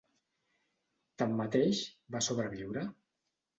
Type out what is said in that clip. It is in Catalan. Tanmateix, va sobreviure.